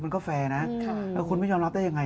แฟร์นะแล้วคุณไม่ยอมรับได้ยังไง